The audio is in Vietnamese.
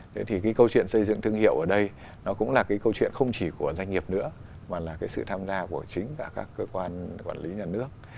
thế thì cái câu chuyện xây dựng thương hiệu ở đây nó cũng là cái câu chuyện không chỉ của doanh nghiệp nữa mà là cái sự tham gia của chính cả các cơ quan quản lý nhà nước